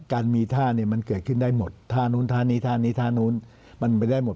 การมีท่าเนี่ยมันเกิดขึ้นได้หมดท่านู้นท่านี้ท่านี้ท่านู้นมันไปได้หมด